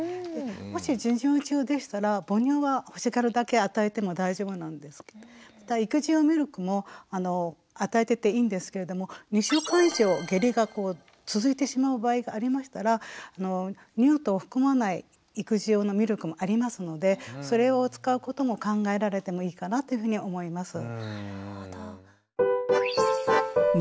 もし授乳中でしたら母乳は欲しがるだけ与えても大丈夫なんですけどまた育児用ミルクも与えてていいんですけれども２週間以上下痢が続いてしまう場合がありましたら乳糖を含まない育児用のミルクもありますのでそれを使うことも考えられてもいいかなというふうに思います。